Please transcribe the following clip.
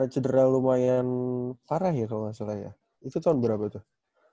cedera lumayan parah ya kalau nggak salah ya itu tahun berapa tuh